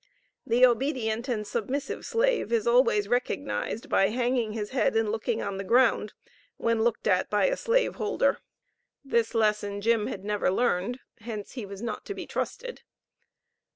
The obedient and submissive slave is always recognized by hanging his head and looking on the ground, when looked at by a slave holder. This lesson Jim had never learned, hence he was not to be trusted.